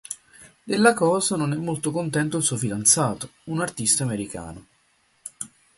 Della cosa non è molto contento il suo fidanzato, un artista americano.